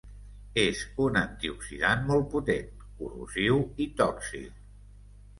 És un antioxidant molt potent, corrosiu i tòxic.